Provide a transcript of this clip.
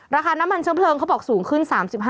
ราคาน้ำมันเชื้อเพลิงเขาบอกสูงขึ้น๓๕